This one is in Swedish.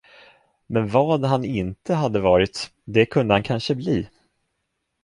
Men vad han inte hade varit, det kunde han kanske bli.